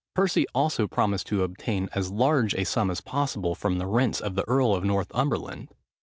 Percy also promised to obtain as large a sum as possible from the rents of the earl of Northumberland.